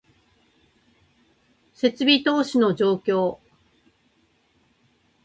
設備投資の状況